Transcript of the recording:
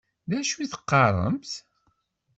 D acu i teqqaṛemt?